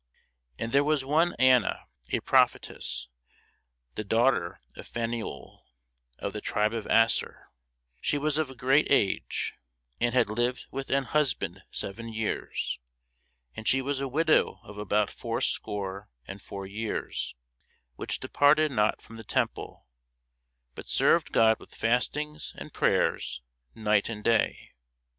And there was one Anna, a prophetess, the daughter of Phanuel, of the tribe of Aser: she was of a great age, and had lived with an husband seven years; and she was a widow of about fourscore and four years, which departed not from the temple, but served God with fastings and prayers night and day.